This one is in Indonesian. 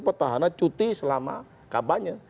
pertahanan cuti selama kabarnya